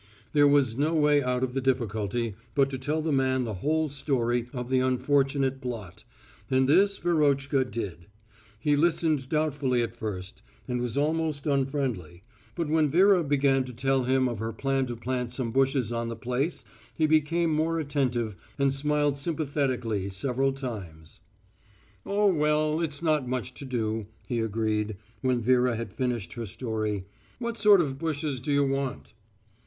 There was no way out of the difficulty but to tell the man the whole story of the unfortunate blot, and this Verotchka did. He listened doubtfully at first, and was almost unfriendly, but when Vera began to tell him of her plan to plant some bushes on the place, he became more attentive and smiled sympathetically several times. "Oh, well, it's not much to do," he agreed, when Vera had finished her story. "What sort of bushes do you want?"